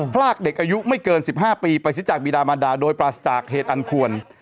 พรากเด็กอายุไม่เกิน๑๕ปีไปซิจากบีดามันดาโดยปราศจากเหตุอันควร